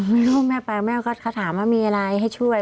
มีลูกแม่ไปแม่ก็ถามว่ามีอะไรให้ช่วย